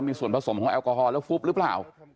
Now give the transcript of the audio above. มีส่วนผสมของแอลกอฮอลแล้วฟุบหรือเปล่า